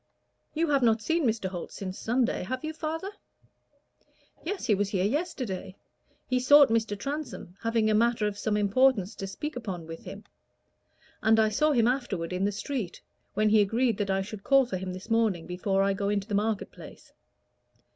"You have not seen Mr. Holt since Sunday, have you, father?" "Yes, he was here yesterday. He sought Mr. Transome, having a matter of some importance to speak upon with him. And I saw him afterward in the street, when he agreed that I should call for him this morning before I go into the market place.